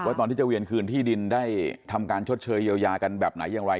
ตอนที่จะเวียนคืนที่ดินได้ทำการชดเชยเยียวยากันแบบไหนอย่างไร